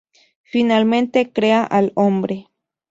Finalmente crea al hombre.